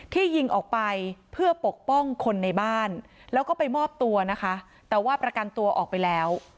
ที่ยิงออกไปเพื่อปกป้องคนในบ้านแล้วก็ไปมอบตัวนะคะแต่ว่าประกันตัวออกไปแล้ว